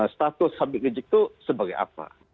status habib rizik itu sebagai apa